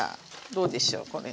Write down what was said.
どうでしょうこれ。